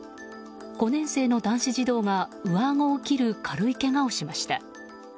５年生の男子児童が上あごを切る軽いけがをしました。